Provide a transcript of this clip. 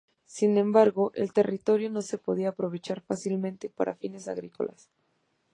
Sin embargo, el territorio no se podía aprovechar fácilmente para fines agrícolas.